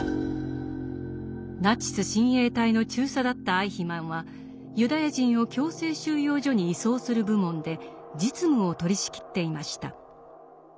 ナチス親衛隊の中佐だったアイヒマンはユダヤ人を強制収容所に移送する部門で実務を取りしきっていました。